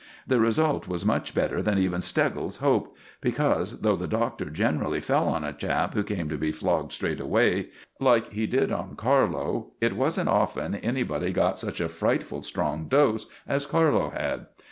The result was much better than even Steggles hoped; because, though the Doctor generally fell on a chap who came to be flogged straightaway, like he did on Carlo, it wasn't often anybody got such a frightful strong dose as Carlo had.